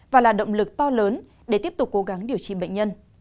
và là động lực to lớn để tiếp tục cố gắng điều trị bệnh nhân